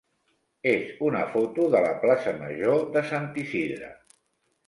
és una foto de la plaça major de Sant Isidre.